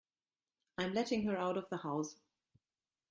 I'm letting her out of the house.